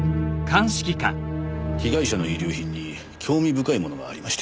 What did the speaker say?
被害者の遺留品に興味深いものがありまして。